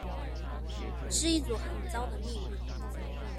是一組很糟的密碼